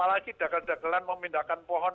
aku lagi dagel dagelan mau pindahkan pohon